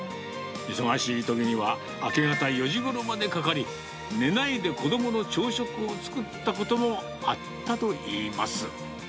忙しいときにはあけがた４時ごろまでかかり、寝ないで子どもの朝食を作ったこともあったといいます。